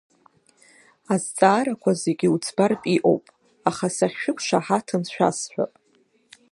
Азҵаарақәа зегьы уӡбартә иҟоуп, аха сахьшәықәшаҳаҭым шәасҳәап…